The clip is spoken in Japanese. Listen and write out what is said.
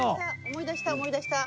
思い出した思い出した！